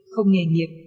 không nghề nghiệp